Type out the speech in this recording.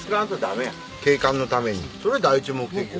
それ第一目的よ。